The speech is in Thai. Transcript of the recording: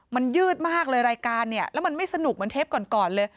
มันยืดมากเลยรายการเนี่ยแล้วมันไม่สนุกเหมือนเทปก่อนเลย